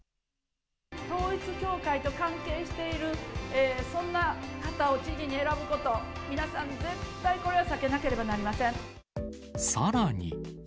統一教会と関係している、そんな方を知事に選ぶこと、皆さん、絶対これは避けなければさらに。